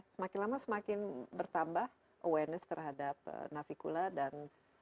semakin lama semakin bertambah awareness terhadap navicula dan